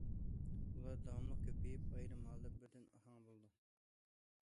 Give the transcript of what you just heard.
ئۇلار داۋاملىق كۆپىيىپ، ئايرىم ھالدا بىردىن ئاھاڭ بولىدۇ.